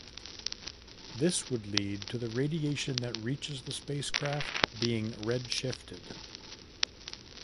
This would lead to the radiation that reaches the spacecraft being redshifted.